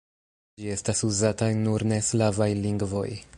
Ĝi estas uzata en nur ne slavaj lingvoj.